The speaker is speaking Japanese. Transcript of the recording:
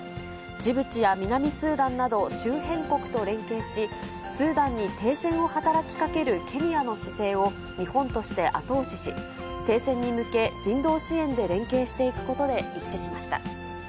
ジブチや南スーダンなど周辺国と連携し、スーダンに停戦を働きかけるケニアの姿勢を日本として後押しし、停戦に向け、人道支援で連携していくことで一致しました。